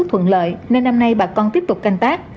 hôm nay bà con tiếp tục canh tác